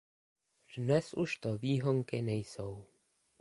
Dnes už to výhonky nejsou.